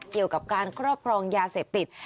เกี่ยวกับการครอบครองยาเสพติด